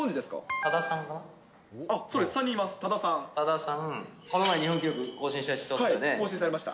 多田さん、この前日本記録更更新されました。